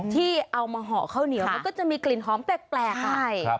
ที่เอามาห่อข้าวเหนียวมันก็จะมีกลิ่นหอมแปลกอ่ะใช่